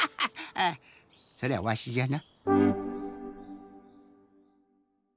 あそれはわしじゃな。